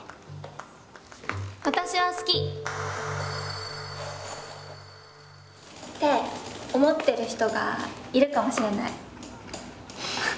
私は好き！って思ってる人がいるかもしれない。